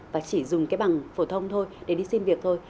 và chỉ dùng cái bằng phổ thông thôi để đi xin việc thôi